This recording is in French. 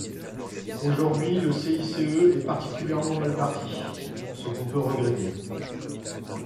Aujourd’hui, le CICE est particulièrement mal parti, ce qu’on peut regretter.